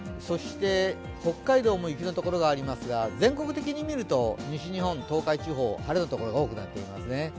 そして北海道も雪のところがありますが、全国的に見ると西日本、東海地方、晴れるところが多くなってますね。